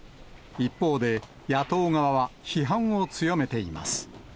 一方で、野党側は批判を強めています。